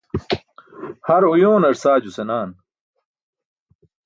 Har oyoonar saajo senaan.